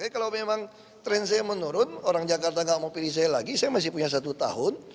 kalau memang tren saya menurun orang jakarta gak mau pilih saya lagi saya masih punya satu tahun